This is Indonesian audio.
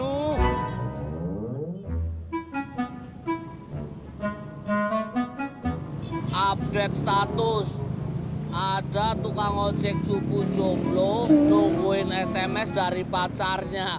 update status ada tukang ojek juku cuplo nungguin sms dari pacarnya